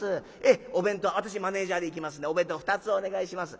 えっお弁当私マネージャーで行きますんでお弁当２つお願いします。